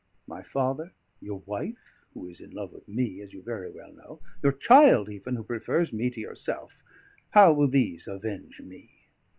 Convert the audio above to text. My father, your wife who is in love with me, as you very well know your child even, who prefers me to yourself: how will these avenge me!